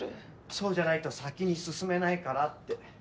そうじゃないと先に進めないからって。